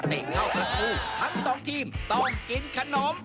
ไปดูกันเลยครับ